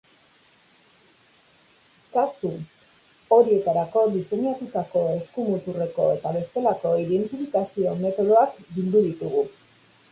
Kasu horietarako diseinatutako eskumuturreko eta bestelako identifikazio metodoak bildu ditugu.